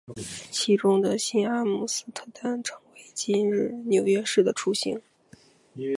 其中的新阿姆斯特丹成为今日纽约市的雏形。